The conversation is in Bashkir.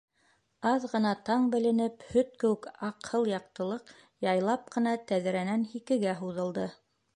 Аҙ ғына таң беленеп, һөт кеүек аҡһыл яҡтылыҡ яйлап ҡына тәҙрәнән һикегә һуҙылды.